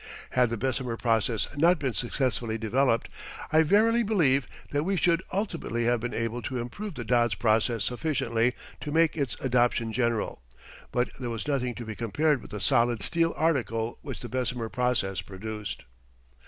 Had the Bessemer process not been successfully developed, I verily believe that we should ultimately have been able to improve the Dodds process sufficiently to make its adoption general. But there was nothing to be compared with the solid steel article which the Bessemer process produced.